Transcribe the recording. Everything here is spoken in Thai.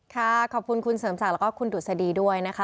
ขอบคุณคุณเสริมศักดิ์แล้วก็คุณดุษฎีด้วยนะคะ